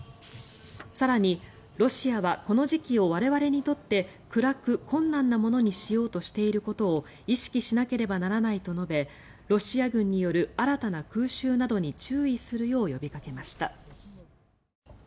更に、ロシアはこの時期を我々にとって暗く、困難なものにしようとしていることを意識しなければならないと述べロシア軍による新たな空襲などに注意するよう呼びかけました。